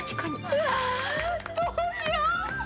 うわどうしよう！